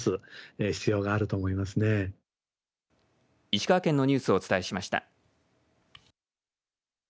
石川県のニュースをお伝えしました。